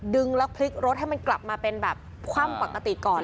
ดึงแล้วพลิกรถให้มันกลับมาเป็นแบบคว่ำปกติก่อน